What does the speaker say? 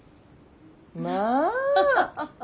まあ。